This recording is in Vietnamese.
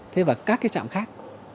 thế và các cái trạm khác